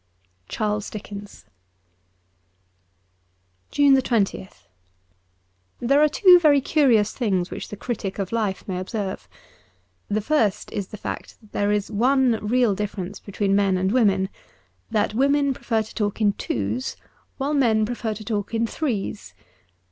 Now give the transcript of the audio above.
'Charles Dickens:' JUNE 20th THERE are two very curious things which the critic of life may observe. The first is the fact that there is one real difference between men and women : that women prefer to talk in two's, while men prefer to talk in three's.